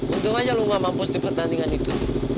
untung aja lu gak mampus di pertandingan itu